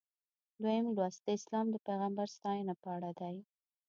دویم لوست د اسلام د پیغمبر ستاینه په اړه دی.